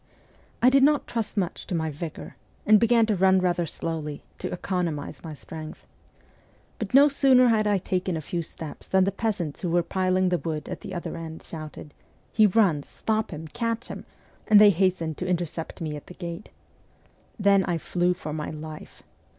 I did not trust much to my vigour, and began to run rather slowly, to economize my strength. But no sooner had I taken a few steps than the peasants who were piling the wood at the other end shouted, ' He runs ! Stop him ! Catch him !' and they hastened to intercept me at the gate. Then I flew for my life.